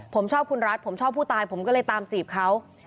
ผมชอบคุณรัฐผมชอบผู้ตายผมก็เลยตามจีบเขา